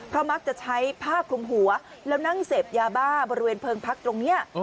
เพราะมักจะใช้ผ้าคลุมหัวแล้วนั่งเสพยาบ้าบริเวณเพลิงพักตรงนี้